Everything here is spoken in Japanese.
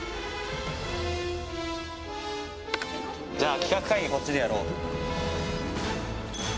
じゃあ企画会議こっちでやろう。